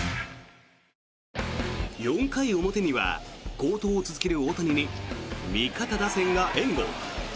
４回表には、好投を続ける大谷に味方打線が援護。